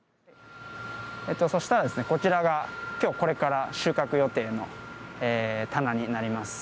そうしたら、こちらが、きょうこれから収穫予定の棚になります。